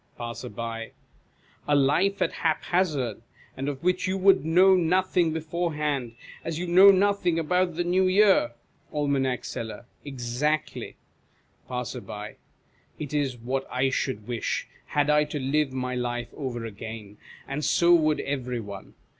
Passer. A life at hap hazard, and of which you would know nothing beforehand, as you know nothing about the New Year ? Aim. Seller. Exactly. Passer. It is what I should wish, had I to live my life over again, and so would every one.